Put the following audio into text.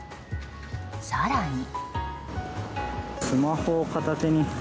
更に。